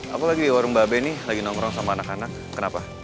aku lagi di warung babe nih lagi nongkrong sama anak anak kenapa